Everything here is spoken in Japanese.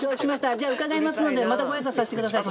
じゃあ伺いますのでまたご挨拶させてください